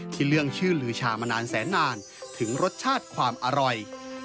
เรื่องชื่อลือชามานานแสนนานถึงรสชาติความอร่อย